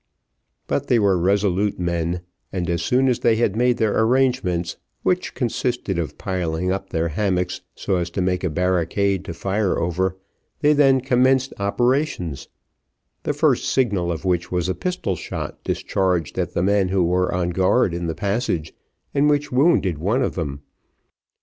But they were resolute men, and as soon as they had made their arrangements, which consisted of piling up their hammocks, so as to make a barricade to fire over, they then commenced operations, the first signal of which, was a pistol shot discharged at the men who were on guard in the passage, and which wounded one of them.